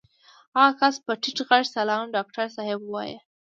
هغه کس په ټيټ غږ سلام ډاکټر صاحب ووايه.